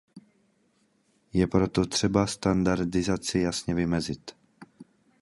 Je proto třeba standardizaci jasně vymezit.